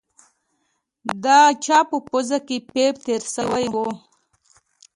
د چا په پوزه کښې پيپ تېر سوى و.